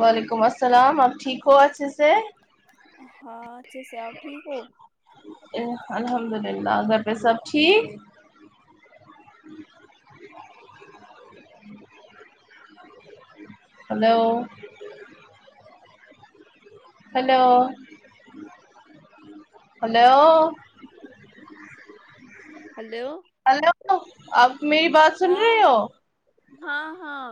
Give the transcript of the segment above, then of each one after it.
وعلیکم السلام آپ ٹھیک ہو اچھے سے ہاں اچھے سے آپ ٹھیک ہو الحمد للہ گھر پہ سب ٹھیک hello hello hello hello hello آپ میری بات سن رہے ہاں ہو ہاں ہاں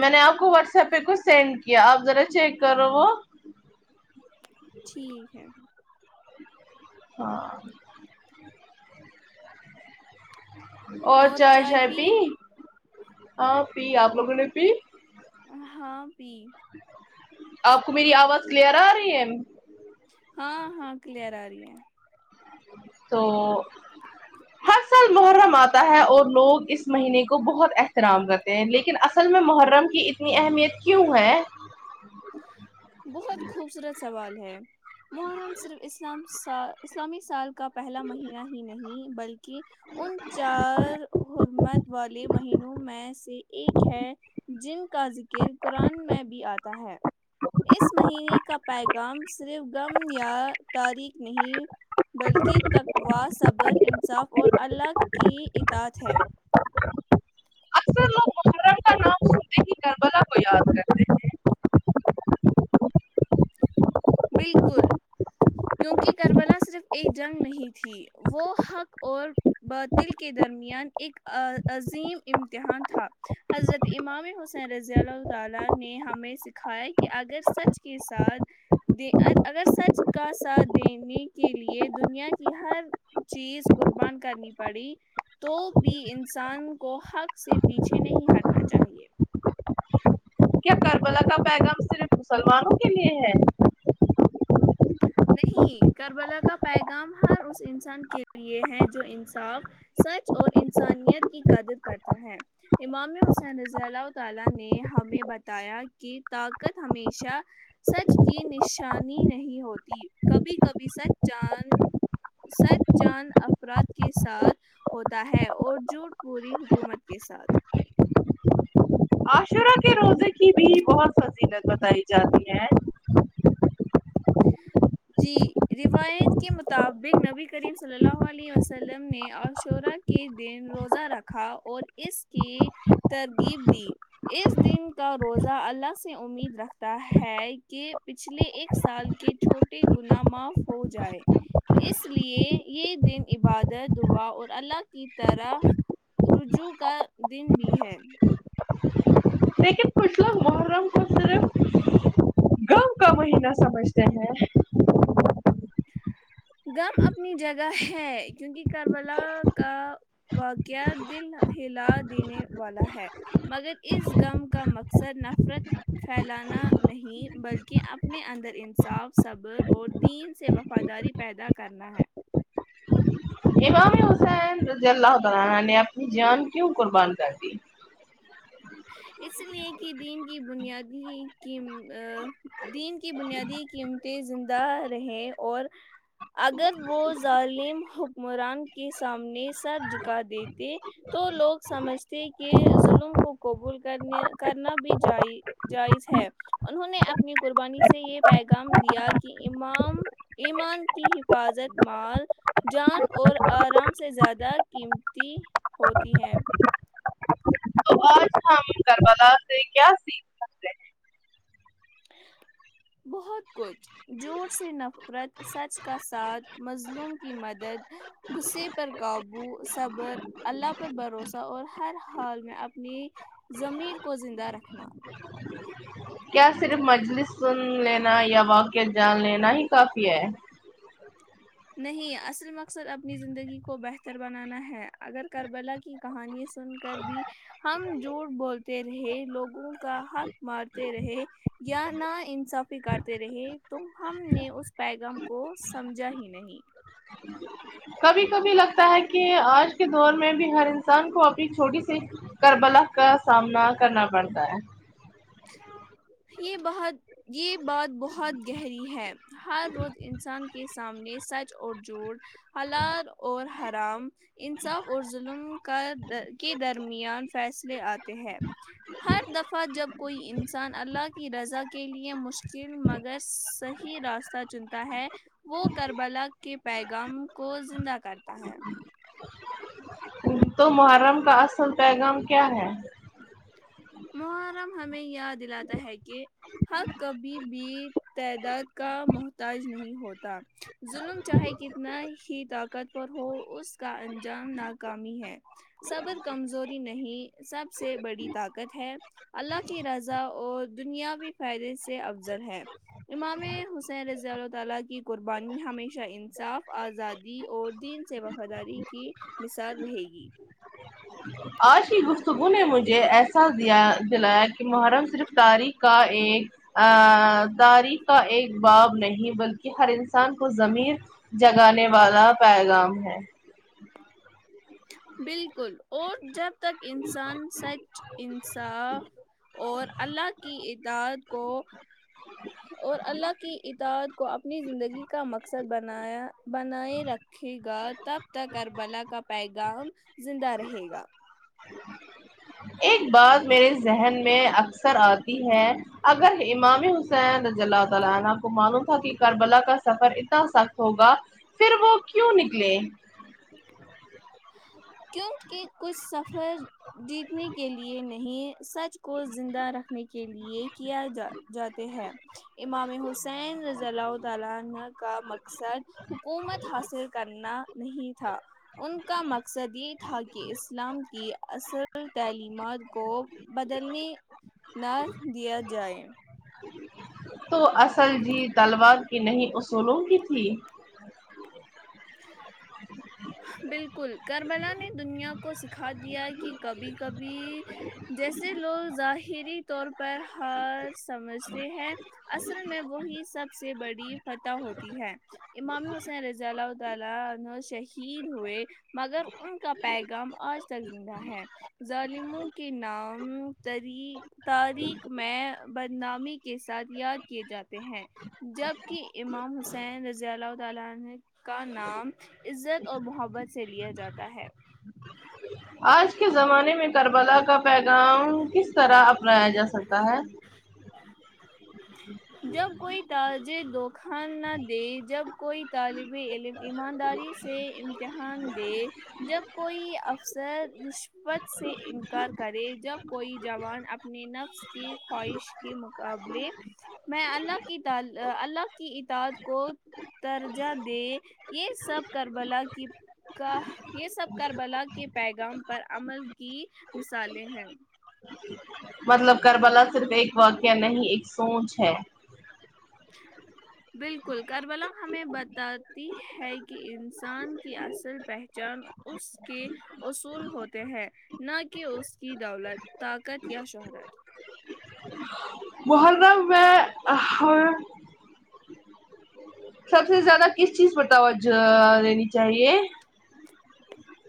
میں نے آپ کو واٹس ایپ پہ کچھ سینڈ کیا آپ ذرا چیک کرو وہ ٹھیک ہے ہاں اور چائے شائے پی ہاں پی آپ لوگوں نے پی ہاں پی آپ کو میری آواز کلیئر آ رہی ہے ہاں ہاں کلیئر آ رہی ہے تو ہر محرم آتا ہے اور لوگ اس مہینے کو بہت احترام کرتے ہیں لیکن اصل میں محرم کی اتنی اہمیت کیوں ہے بہت خوبصورت سوال ہے محرم صرف اسلام سال اسلامی سال کا پہلا مہینہ ہی نہیں بلکہ کہ ان چار حرمت والے مہینوں میں سے ایک ہے جن کا ذکر قرآن میں بھی آتا ہے اس مہینے کا پیغام صرف غم یا تاریخ نہیں بلکہ تقوا صبر انصاف اور اللہ کی اطاعت ہے اکثر لوگ محرم کا نام سنتے کربلا کوئی یاد کرتے ہیں بالکل کیونکہ کربلا صرف ایک جنگ نہیں تھی وہ حق اور باتل کے درمیان ایک عظیم امتحان تھا حضرت امامی حسین رضی اللہ تعالی نے ہمیں سکھایا کہ اگر سچ کے ساتھ دے اگر سچ کا ساتھ دینے کے لیے دنیا کی ہر چیز قربان کرنی پڑی تو بھی انسان کو حق سے پیچھے نہیں ہٹنا چاہیے کیا کر بلا کا پیغام صرف مسلمانوں کے لیے ہے نہیں کربلا کا پیغام ہر اس انسان کے لیے ہے جو انصاف سچ اور انسانیت کی قدر کرتا ہے امامی حسین رضی اللہ تعالی نے ہمیں بتایا کہ طاقت ہمیشہ سچ کی نشانی نہیں ہوتی کبھی کبھی سچ جان سچ جان افراد کے ساتھ ہوتا ہے اور جوٹ پوری حکومت کے ساتھ عاشورہ کے روزے کی بھی بہت فصیلت بتائی جاتی ہے جی روایت کے مطابق نبی کریم صلی اللہ علیہ وسلم نے عاشعرا کے دن روزہ رکھا اور اس کی ترغیب دی اس دن کا روزہ اللہ سے امید رکھتا ہے کہ پچھلے ایک سال کی چھوٹیے گنا معاف ہو جائے اس لیے یہ دن عبادت دعا اور اللہ کی طرف رجوع کا دن بھی ہے لیکن کچھ لوگ محرم کو صرف نہ سمجھتے ہیں غم اپنی جگہ ہے کیونکہ کربلا کا واقعہ دل ہلا دینے والا ہے مگر اس غم کا مقصد نفرت پھیلانا نہیں بلکہ اپنے اندر انصاف صبر اور دین سے وفاداری پیدا کرنا ہے امام حسین رضی اللہ تعالیا نے اپنی جان کیوں قربان کر دی اس لئے کہ دین کی بنیادی کی دین کی بنیادی قیمتیں زندہ رہیں اور اگر وہ ظالم حکمران کے سامنے سر جھکا دیتے تو لوگ سمجھتے کہ ظلم کو قبول کرنے کرنا بھی جائ جائز ہے انہوں نے اپنی قربانی سے یہ پیغام دیا کہ امام ایمان کی حفاظت مال جان اور آرام سے زیادہ قیمتی ہوتی ہے [inaudible] کربلا سے کیا سیکھ بہت کچھ جھوٹ سے نفرت سچ کا ساتھ مظلوم کی مدد غصے پر قابو صبر اللہ پر بھروسہ اور ہر حال میں اپنی زمیر کو زندہ رکھنا کیا صرف مجلس سن لینا یا واقعہ جان لینا ہی کافی ہے نہیں اصل مقصد اپنی زندگی کو بہتر بنانا ہے اگر کربلا کی کہانی سن کر بھی ہم جھوٹ بولتے رہے لوگوں کا حق مارتے رہے یا نہ انصافی کرتے رہے تم ہم نے اس پیغام کو سمجھا ہی نہیں کبھی کبھی لگتا ہے کہ آج کے دور میں بھی ہر انسان کو اپنی چھوٹی سی کربلا کا سامنا کرنا پڑتا ہے یہ بہت بات بہت گہری ہے ہر روز انسان کے سامنے سچ اور جھوٹ حلال اور حرام انصاف اور ظلم کا کے درمیان فیصلے آتے ہیں ہر دفعہ جب کوئی انسان اللہ کی رضا کے لیے مشکل مگر صحیح راستہ چنتا ہے وہ کربلا کے پیغام کو زندہ کرتا ہے تو محرم کا اصل پیغام کیا ہے محرم ہمیں یاد دلاتا ہے کہ حق کبھی بھی تعداد کا محتاج نہیں ہوتا ظلم چاہے کتنا ہی طاقت ور ہو اس کا انجام ناکامی ہے صبر کمزوری نہیں سب سے بڑی طاقت ہے اللہ کی رضا اور دنیاوی فائدے سے افضل ہے امام حسین رضی اللہ تعالی کی قربانی ہمیشہ انصاف آزادی اور دین سے وفاداری کی مثال رہے گی آج کی گفتگو نے مجھے احساس دیا دلایا کہ محرم صرف تاریخ کا ایک تاریخ کا ایک باب نہیں بلکہ ہر انسان کو ضمیر جگانے والا پیغام ہے بالکل اور جب تک انسان سچ انصاف اور اللہ کی اطعات کو اور اللہ کی اتعات کو اپنی زندگی کا مقصد بنایا بنائے رکھ رہکھے گا تب تک کربلا کا پیغام زندہ رہے گا ایک بات میرے ذہن میں اکثر آتی ہے ا اگر امامی حسین رض اللہ تعالی عنہ آپ کو معلوم تھا کہ کربلا کا سفر اتنا سخت ہوگا پھر وہ کیوں نکلے کیونکہ کچھ سفر جیتنے کے لیے نہیں سچ کو زندہ رکھنے کے لیے کیا جا جاتے ہے امام حسین رضی الله تعالی عنہہ کا مقصد حکومت حاصل کرنا نہیں تھا ان کا مقصد یے تھا کی اسلام کی اصل تعلیمات کو بدلنے نہ دیا جائے تو اصل جی تلوار کی نہیں اصولوں کی تھی [unintelligible] بالکل کربلا نے دنیا کو سکھا دیا کی کبھی کبھی جیسے لوگ ظاہری طور پر ہار سمجھتے ہیں اصل میں وہی سب سے بڑی فتح ہوتی ہے امامے حسین رضی اللہ تعالی عنہ شہید ہوئے مگر ان کا پیغام آج تک زندہ ہے ظالموں کے نام تری تاریخ میں بدنامی کے ساتھ یاد کیے جاتے ہیں جبکی امام حسین رضی اللہ تعالی عنہ کا نام عزت اور محبت سے لیا جاتا ہے آج کے زمانے میں کربلا کا پیغام کس طرح اپنایا جا سکتا ہے جب کوئی تاج دخان نہ دے جب کوئی طالب علم ایمانداری سے امتحان دے جب کوئی افسر رشوت سے انکار کرے جب کوئی جوان اپ نیے نفس کی خواہش کے مقاب بلے میں الله کی الله کی اتاد کو درجہ دے یے سب کربلا کی کا یے سب کربلا کے پیغام پر عمل کی مثالیں ہیں مطلب کربلا صرف ایک واقعہ نہیں ایک سوچ ہے بالکل کربلا ہمیں بتاتی ہے کی انسان کی اصل پہچان اس کے اصول ہوتے ہیں نہ کے اس کی دولت طاقت یا شہرت محرم میں ا ہر سب سے زیادہ کس چیز پر توجہ دینی چاہیے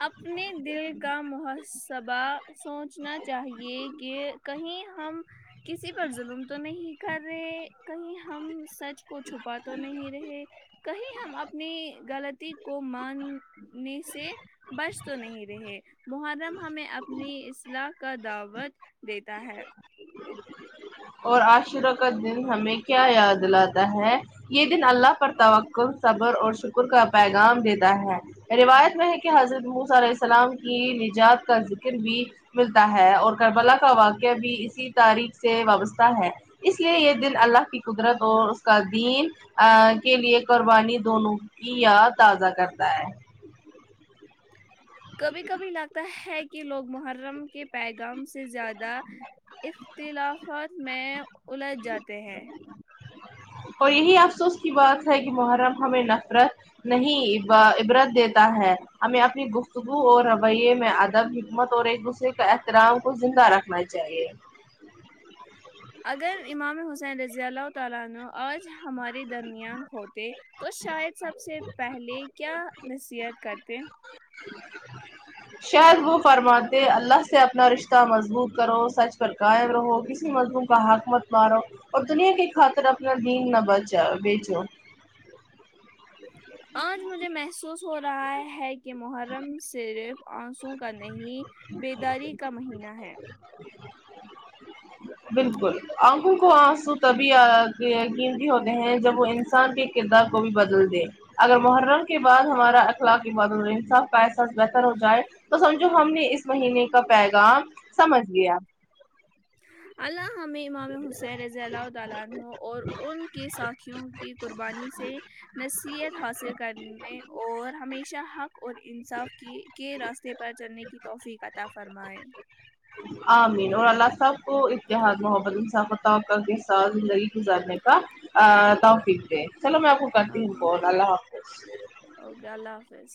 اپنے دل کا محسبہ سوچنا چاہیے کہ کہیں ہم کسی پر ظلم تو نہیں کر رہے کہیں ہم سچ کو چھپا تو نہیں رہے کہیں ہم اپنی غلطی کو ماننے سے بچ تو نہیں رہے محرم ہمیں اپنی اصلاح کا دعوت دیتا ہے اور عاشورہ کا دن ہمیں کیا یاد دلاتا ہے یہ دن الله پر توقع صبر اور شکر کا پیغام دیتا ہے روایت میں ہے کے حضرت موسی علیہ السلام کی نجات کا ذکر بھی ملتا ہے اور کربلا کا واقعہ بھی اسی تاریخ سے وابستہ تا ہے اس لیے یے دن الله کی قدرت اور اس کا دین آ کے لیے قربانی دونوں کی یاد تازہ کرتا ہے کبھی کبھی لگتا ہے کی لوگ محرم کے پیغام سے زیادہ اختلافات میں الج جاتے ہیں اور یہی افسوس کی بات ہے کی محرم ہمیں نفرت نہیں عبرت دیتا ہے ہمیں اپنی گفتگو اور رویے میں ادب حکمت اور ایک سے کا احترام کو زندہ رکھنا چاہیے اگر امام حسین رضی اللہ تعالی عنہ آج ہمارے درمیان ہوتے تو شاید سب سے پہلے کیا نصیحت کرتے شاید وہ فرماتے الله سے اپنا رشتہ مضبوط کرو سچ پر قائم رہو کسی مضلوم کا حق مت مارو اور دنیا کی خاطر اپنا دین نہ بچا بیچو [inaudible] آج مجھے محسوس ہو رہا ہے کہ محرم صرف آنسوں کا نہیں بیداری کا مہینہ ہے بالکل آنکھوں کو آنسو تبھی آ اتے ہے قیمتی ہوتے ہیں جب وہ انسان کے کردار کو بھی بدل دے اگر محرم کے بعد ہمارا اخلاق کے بعد السا پس بہتر ہو جائے تو سمجھو ہم نے اس مہینے کا پیغام سمجھ لیا اللہ ہمیں اما امام ے حسین رضی اللہ تعالی عنہ اور ان کے ساتھیوں کی قربانی سے نصیحت حاصل کرنے اور ہمیشہ حق اور انصاف کی کے راستے پر چلنے کی توفیق عطا فرمائے آمین اور اللہ سب کو اتحاد محبت انصاف توكل کے ساتھ زندگی گزارنے کا آ توفیق دے چلو میں آپ کو کرتی ہوں آمین فون اللہ حافظ اوکے اللہ حافظ